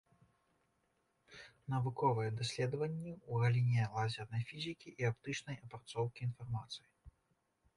Навуковыя даследаванні ў галіне лазернай фізікі і аптычнай апрацоўкі інфармацыі.